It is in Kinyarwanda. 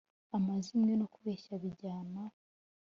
amazimwe no kubeshya bijyana.